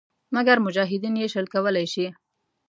مګر مجاهدین یې شل کولای شي.